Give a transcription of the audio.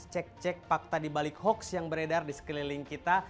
cek cek fakta dibalik hoax yang beredar di sekeliling kita